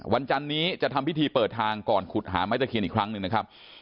จันนี้จะทำพิธีเปิดทางก่อนขุดหาไม้ตะเคียนอีกครั้งหนึ่งนะครับ